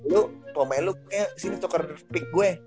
lu mau main lu kayaknya sini tuker pick gue